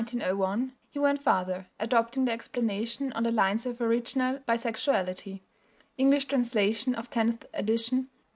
iii, 1901), he went farther, adopting the explanation on the lines of original bisexuality (English translation of tenth edition, pp.